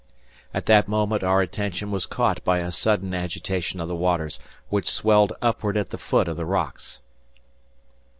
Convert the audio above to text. At that moment our attention was caught by a sudden agitation of the waters, which swelled upward at the foot of the rocks.